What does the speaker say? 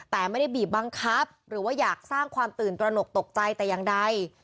แต่ไม่ได้บีบบังคับหรือว่าอยากสร้างความตื่นตระหนกตกใจแต่อย่างใด